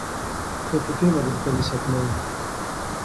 فہ تو کیہہ مدد کری سکنائیں